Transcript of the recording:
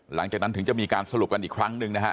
หลังจากนั้นถึงจะมีการสรุปกันอีกครั้งหนึ่งนะฮะ